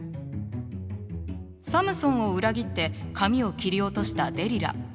サムソンを裏切って髪を切り落としたデリラ。